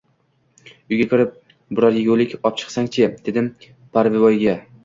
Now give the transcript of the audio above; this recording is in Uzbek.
– Uyga kirib, biror yegulik opchiqsang-chi, – dedim Parpivoyga